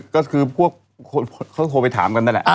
ก็คือพวกเขาโทรไปถามกันนั่นแหละ